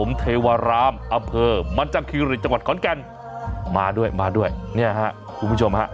เทวารามอำเภอมันจังคิริจังหวัดขอนแก่นมาด้วยมาด้วยเนี่ยฮะคุณผู้ชมฮะ